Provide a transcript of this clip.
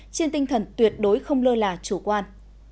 trên tinh thần tuyệt đối không lơ là chủ quan